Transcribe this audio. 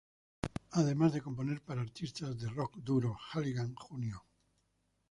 Además de componer para artistas de "rock" duro, Halligan Jr.